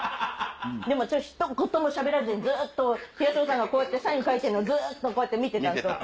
でも私はひと言もしゃべらずにずっと東野さんがこうやってサイン書いてるのずっと見てたんです。